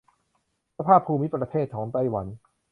สภาพภูมิประเทศของไต้หวัน